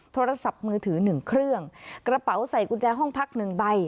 โทรศัพท์มือถือหนึ่งเครื่องกระเป๋าใส่กุญแจห้องพักหนึ่งใบ